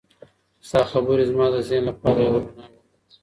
ستا خبرې زما د ذهن لپاره یو رڼا وه.